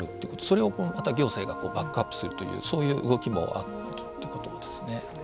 それをまた行政がバックアップするという、そういう動きもあるということですね。